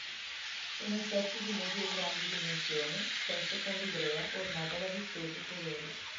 Sono insetti di medie o grandi dimensioni, spesso con livrea ornata da vistosi colori.